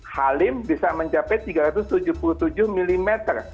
halim bisa mencapai tiga ratus tujuh puluh tujuh mm